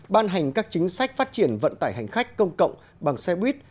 ban hành các chính sách phát triển vận tải hành khách công cộng bằng xe buýt